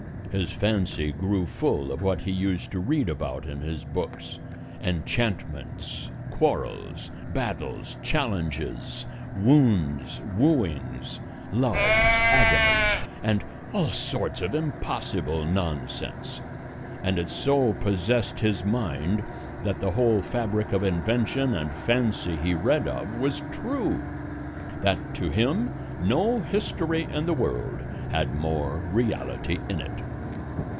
His fancy grew full of what he used to read about in his books enchantments, quarrels, battles, challenges, wounds, wooings, loves, agonies, and all sorts of impossible nonsense; and it so possessed his mind that the whole fabric of invention and fancy he read of was true, that to him no history in the world had more reality in it.